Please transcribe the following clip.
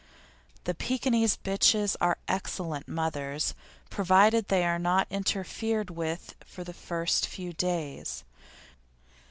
The Pekinese bitches are excellent mothers, provided they are not interfered with for the first few days.